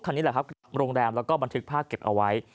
นี่แหละครับโรงแรมแล้วก็บันทึกภาพเก็บเอาไว้